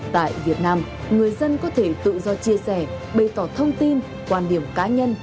tại việt nam người dân có thể tự do chia sẻ bày tỏ thông tin quan điểm cá nhân